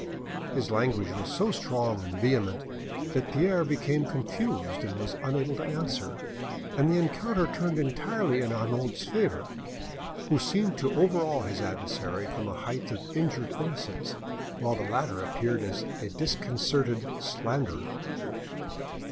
His language was so strong and vehement, that Pierre became confused and was unable to answer, and the encounter turned entirely in Arnauld's favour, who seemed to overawe his adversary from a height of injured innocence, while the latter appeared as a disconcerted slanderer.